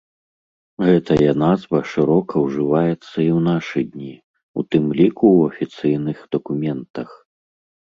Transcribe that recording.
Гэтая назва шырока ўжываецца і ў нашы дні, у тым ліку ў афіцыйных дакументах.